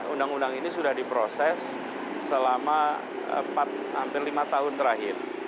undang undang ini sudah diproses selama empat hampir lima tahun terakhir